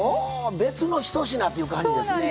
別のひと品という感じですね。